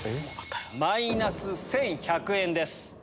マイナス１１００円です。